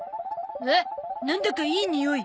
なんだかいいにおい。